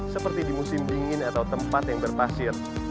seperti di musim dingin atau tempat yang berpasir